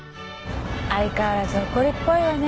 相変わらずほこりっぽいわね